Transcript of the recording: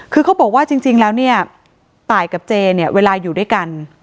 คือเขาบอกว่าจริงแล้วเนี่ยตายกับเจเนี่ยเวลาอยู่ด้วยกัน